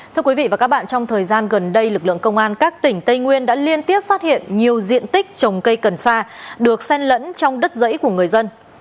thưa quý vị và các bạn trong thời gian gần đây lực lượng công an các tỉnh tây nguyên đã liên tiếp phát hiện nhiều diện tích trồng cây cần sa được sen lẫn trong đất dãy của người dân